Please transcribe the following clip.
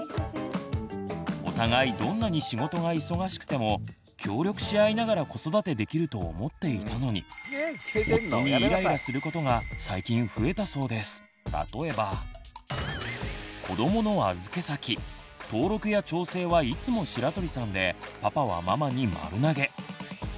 お互いどんなに仕事が忙しくても協力し合いながら子育てできると思っていたのに例えば登録や調整はいつも白鳥さんでパパはママに丸投げ。